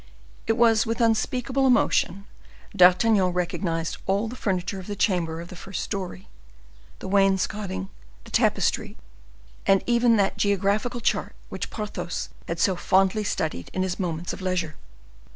It was with unspeakable emotion D'Artagnan recognized all the furniture of the chamber of the first story; the wainscoting, the tapestries, and even that geographical chart which Porthos had so fondly studied in his moments of leisure.